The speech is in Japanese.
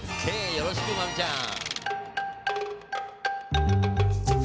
よろしく真海ちゃん！